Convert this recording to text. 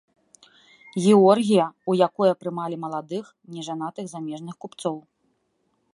Георгія, у якое прымалі маладых, нежанатых замежных купцоў.